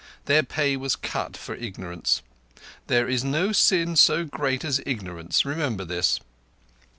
Their pay was cut for ignorance. There is no sin so great as ignorance. Remember this."